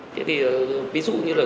thế thì ví dụ như là